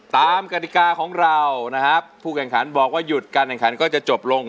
กฎิกาของเรานะครับผู้แข่งขันบอกว่าหยุดการแข่งขันก็จะจบลง